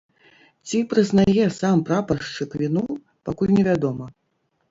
Ці прызнае сам прапаршчык віну, пакуль невядома.